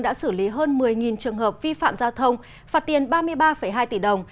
đã xử lý hơn một mươi trường hợp vi phạm giao thông phạt tiền ba mươi ba hai tỷ đồng